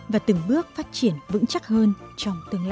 và từng bước phát triển vững chắc hơn trong tương lai